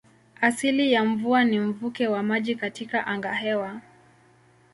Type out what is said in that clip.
Asili ya mvua ni mvuke wa maji katika angahewa.